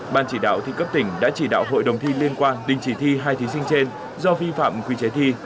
ban chỉ đạo thi cấp tỉnh đã chỉ đạo hội đồng thi liên quan đình chỉ thi hai thí sinh trên do vi phạm quy chế thi